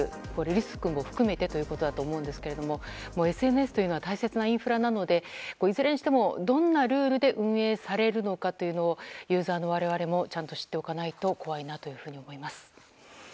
リスクも含めてということだと思うんですけれどもＳＮＳというのは大切なインフラなのでいずれにしても、どんなルールで運営されるのかというのをユーザーの我々もちゃんと知っておかないと怖いなというふうに思います。